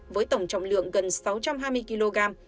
với tổng trọng lượng gần sáu trăm hai mươi kg